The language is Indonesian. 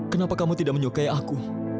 kenapa kamu tidak menyukai aku